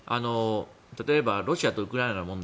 例えばロシアとウクライナの問題